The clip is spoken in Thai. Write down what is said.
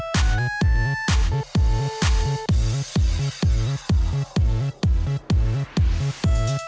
ให้จริง